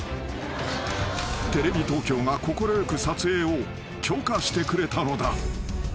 ［テレビ東京が快く撮影を許可してくれたのだ］